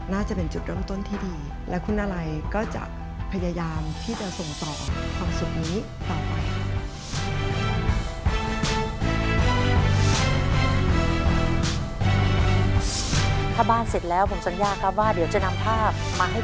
น่าจะเป็นจุดเริ่มต้นที่ดีและคุณอะไรก็จะพยายามที่จะส่งต่อความสุขนี้ต่อไป